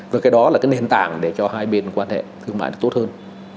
và cái đó là nền tảng để cho hai bên quan hệ thương mại tốt hơn